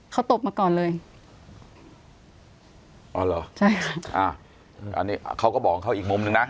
เขาตบมาก่อนเลยอ๋อเหรอใช่ค่ะอ่าอันนี้เขาก็บอกเขาอีกมุมหนึ่งนะ